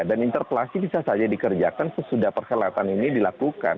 dan interpelasi bisa saja dikerjakan sesudah perkelatan ini dilakukan